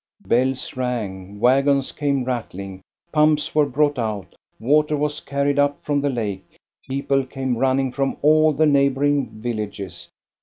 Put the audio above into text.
Bells rang, wagons came rattling, pumps were brought out, water was carried up from the lake, people came running from all the neighboring vil lages.